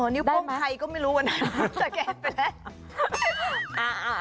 นิ้วโป้งใครก็ไม่รู้วันนั้นสแกนไปแล้ว